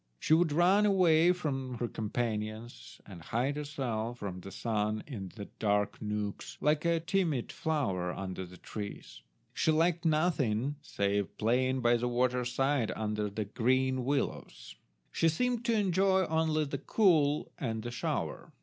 She would run away from her companions, and hide herself from the sun in dark nooks, like a timid flower under the trees. She liked nothing save playing by the water side under the green willows. She seemed to enjoy only the cool and the shower.